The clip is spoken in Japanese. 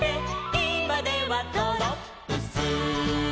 「いまではドロップス」